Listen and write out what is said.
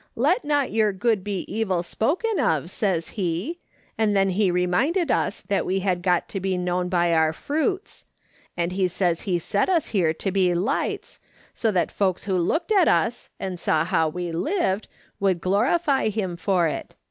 ' Let not your good be evil spoken of,' says he, and then he reminded us that we had got to be known by our fruits ; and he says he set us here to be lights, so that folks who looked at us, and saw how we lived, would glorify him for it.